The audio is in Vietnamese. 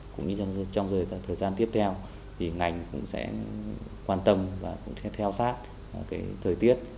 cũng như trong thời gian tiếp theo ngành cũng sẽ quan tâm và theo sát thời tiết